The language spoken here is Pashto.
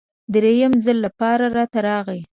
دریم ځل لپاره راته راغی.